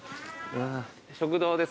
食堂ですか？